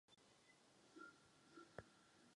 Politicky aktivní byl i po vzniku Československa.